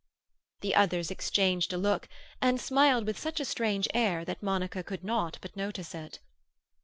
The others exchanged a look, and smiled with such a strange air that Monica could not but notice it.